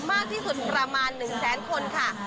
มากที่สุดประมาณ๑แสนคนค่ะ